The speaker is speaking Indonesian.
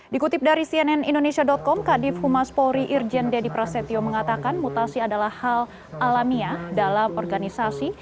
dikutip dari cnn indonesia com kadif humas polri irjen deddy prasetyo mengatakan mutasi adalah hal alamiah dalam organisasi